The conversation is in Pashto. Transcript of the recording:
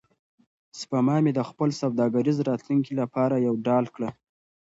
سپما مې د خپل سوداګریز راتلونکي لپاره یوه ډال کړه.